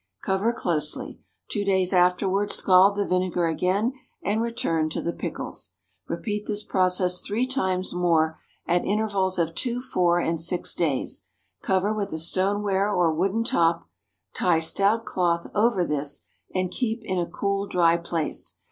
Cover closely. Two days afterward scald the vinegar again and return to the pickles. Repeat this process three times more, at intervals of two, four, and six days. Cover with a stoneware or wooden top; tie stout cloth over this, and keep in a cool, dry place.